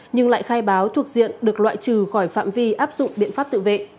nhưng lại khai báo thuộc diện được loại trừ khỏi phạm vi áp dụng biện pháp tự vệ